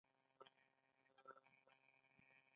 د خپل دغه عمل له کبله بخښنه وغواړي.